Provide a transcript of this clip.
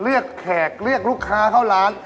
แขกเรียกลูกค้าเข้าร้าน